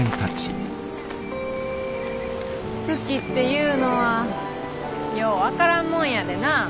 好きっていうのはよう分からんもんやでな。